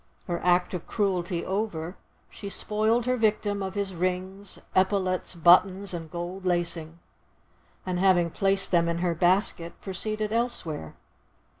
Her act of cruelty over, she spoiled her victim of his rings, epaulets, buttons and gold lacing, and, having placed them in her basket, proceeded elsewhere.